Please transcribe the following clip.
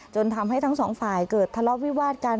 ทำให้ทั้งสองฝ่ายเกิดทะเลาะวิวาดกัน